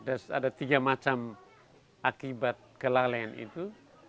ada tiga macam akibat kelalaian itu